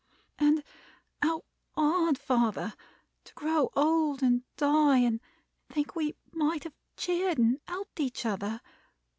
"And how hard, father, to grow old and die, and think we might have cheered and helped each other!